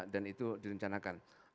dan itu direncanakan